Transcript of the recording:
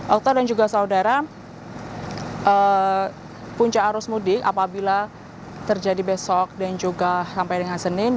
okta dan juga saudara puncak arus mudik apabila terjadi besok dan juga sampai dengan senin